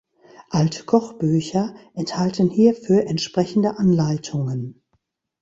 Alte Kochbücher enthalten hierfür entsprechende Anleitungen.